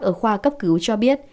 ở khoa cấp cứu cho biết